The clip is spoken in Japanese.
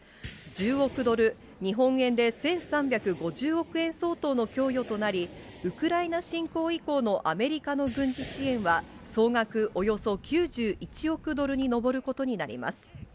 １０億ドル、日本円で１３５０億円相当の供与となり、ウクライナ侵攻以降のアメリカの軍事支援は、総額およそ９１億ドルに上ることになります。